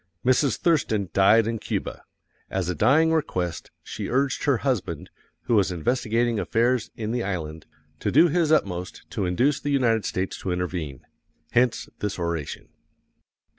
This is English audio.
Mrs. Thurston died in Cuba. As a dying request she urged her husband, who was investigating affairs in the island, to do his utmost to induce the United States to intervene hence this oration.